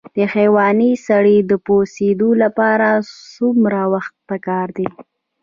د حیواني سرې د پوسیدو لپاره څومره وخت پکار دی؟